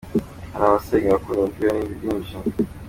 Hari abasenga, abakunda umupira n’ibindi byinshi.